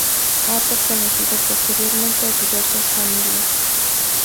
Ha pertenecido posteriormente a diversas familias.